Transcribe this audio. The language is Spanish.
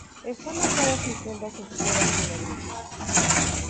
Están marcadas en celdas oscuras y en negrilla.